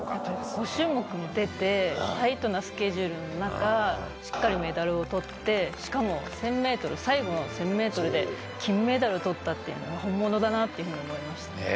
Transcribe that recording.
５種目に出て、タイトなスケジュールの中、しっかりメダルをとって、しかも１０００メートル、最後の１０００メートルで金メダルとったっていうのは、本物だなっていうふうに思いました。